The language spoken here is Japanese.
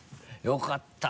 よかった！